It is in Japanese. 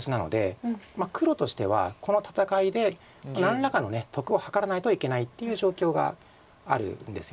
黒としてはこの戦いで何らかの得をはからないといけないっていう状況があるんですよね。